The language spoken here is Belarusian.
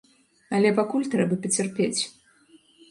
Але пакуль трэба пацярпець.